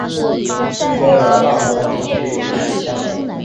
公园大部分地区与水相邻。